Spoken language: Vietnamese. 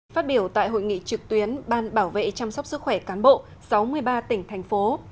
phát biểu tại hội nghị trực tuyến ban bảo vệ chăm sóc sức khỏe cán bộ sáu mươi ba tỉnh thành phố